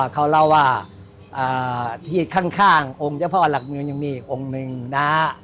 เขาเล่าว่าที่ข้างองค์เจ้าพ่อหลักเมืองยังมีอีกองค์หนึ่งนะ